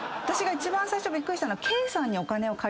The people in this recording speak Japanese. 私が一番最初びっくりしたのはケイさんに。